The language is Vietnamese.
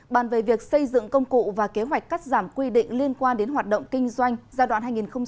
bàn về việc xây dựng công cụ và kế hoạch cắt giảm quy định liên quan đến hoạt động kinh doanh giai đoạn hai nghìn hai mươi một hai nghìn hai mươi năm